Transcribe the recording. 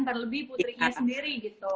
terlebih putrinya sendiri gitu